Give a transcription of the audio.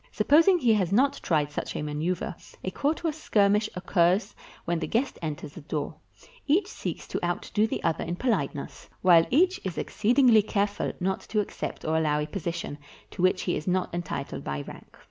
Supposing he has not tried such a maneuver, a courteous skirmish occurs when the guest enters the door; each seeks to outdo the other in poHteness, while each is exceedingly careful not to ac cept or allow a position to which he is not entitled by rank.